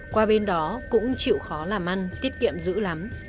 qua bên đó cũng chịu khó làm ăn tiết kiệm giữ lắm